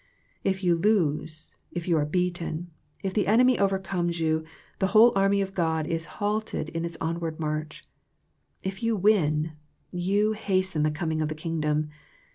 If you lose, if you are beaten, if the enemy overcomes you, the whole army of God is halted in its onward march. If you win, you hasten the coming of the Kingdom.